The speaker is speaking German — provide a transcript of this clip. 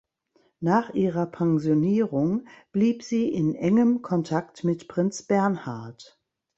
Nach ihrer Pensionierung blieb sie in engem Kontakt mit Prinz Bernhard.